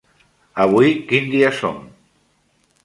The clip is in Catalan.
Avui quin dia som?